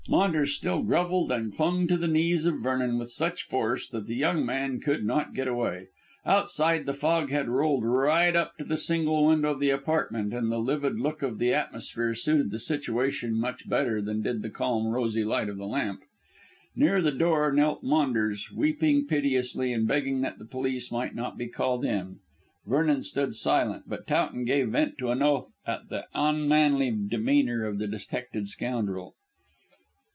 Maunders still grovelled and clung to the knees of Vernon with such force that the young man could not get away. Outside, the fog had rolled right up to the single window of the apartment, and the livid look of the atmosphere suited the situation much better than did the calm, rosy light of the lamp. Near the door knelt Maunders, weeping piteously and begging that the police might not be called in. Vernon stood silent, but Towton gave vent to an oath at the unmanly demeanour of the detected scoundrel.